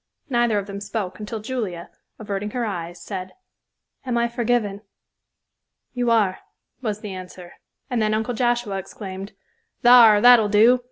Neither of them spoke until Julia, averting her eyes, said, "Am I forgiven?" "You are," was the answer, and then Uncle Joshua exclaimed, "thar, that'll do.